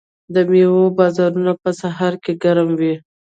د میوو بازارونه په سهار کې ګرم وي.